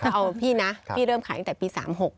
เอาพี่นะพี่เริ่มขายตั้งแต่ปี๓๖